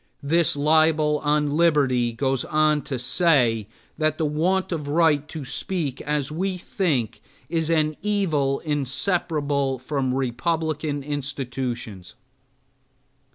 This libel on liberty goes on to say that the want of right to speak as we think is an evil inseparable from republican institutions.